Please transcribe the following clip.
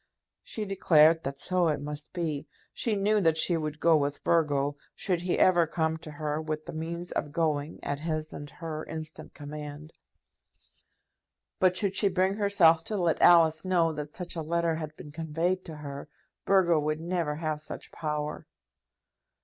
She declared that so it must be. She knew that she would go with Burgo, should he ever come to her with the means of going at his and her instant command. But should she bring herself to let Alice know that such a letter had been conveyed to her, Burgo would never have such power.